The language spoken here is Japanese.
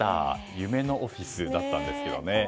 夢のオフィスだったんですよね。